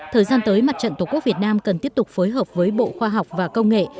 thời gian tới mặt trận tổ quốc việt nam cần tiếp tục phối hợp với bộ khoa học và công nghệ